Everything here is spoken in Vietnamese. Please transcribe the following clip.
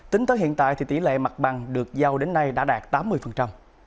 tính tới hiện tại thì tỷ lệ mặt bằng được giao đến nay đã đạt tám mươi